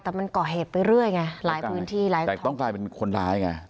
แต่มันก่อเหตุไปเรื่อยไงหลายพื้นที่หลายจุดแต่ต้องกลายเป็นคนร้ายไง